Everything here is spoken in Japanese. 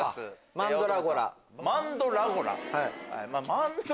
マンドラゴラ？